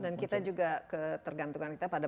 dan kita juga tergantung pada